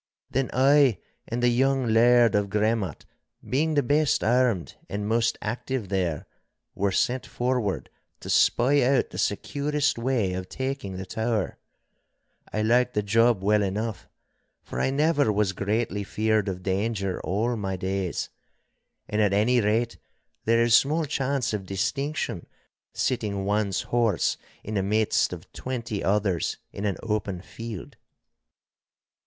Then I and the young Laird of Gremmat, being the best armed and most active there, were sent forward to spy out the securest way of taking the tower. I liked the job well enough, for I never was greatly feared of danger all my days; and at any rate there is small chance of distinction sitting one's horse in the midst of twenty others in an open field.